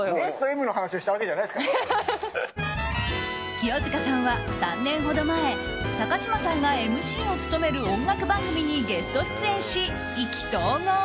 清塚さんは３年ほど前高嶋さんがＭＣを務める音楽番組にゲスト出演し、意気投合。